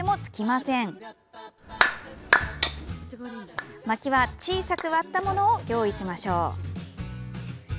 まきは小さく割ったものを用意しましょう。